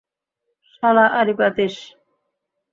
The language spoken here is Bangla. শালা আড়ি পাতিস!